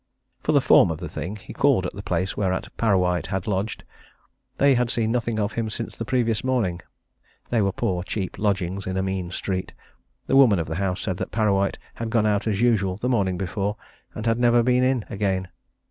For the form of the thing, he called at the place whereat Parrawhite had lodged they had seen nothing of him since the previous morning. They were poor, cheap lodgings in a mean street. The woman of the house said that Parrawhite had gone out as usual the morning before, and had never been in again.